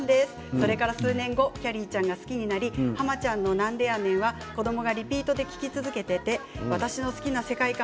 それから数年後きゃりーちゃんが好きになり浜ちゃんの「なんでやねん」は子どもがリピーターで聴き続けていて私の好きな世界観